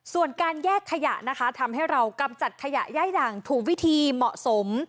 ส่วนการแยกขยะนะคะทำให้เรากำจัดขยะย่ายด่างถูกวิธีเหมาะสม